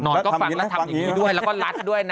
ก็ฟังแล้วทำอย่างนี้ด้วยแล้วก็รัดด้วยนะ